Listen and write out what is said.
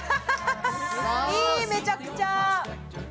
いい、めちゃくちゃ。